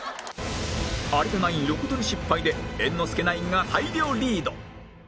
有田ナイン横取り失敗で猿之助ナインが大量リード